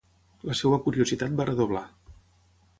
La seva curiositat va redoblar.